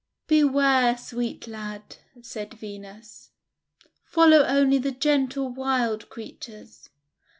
* Beware, sweet lad," said Venus; "follow only the gentle wild creatures.